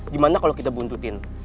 gimana kalau kita buntutin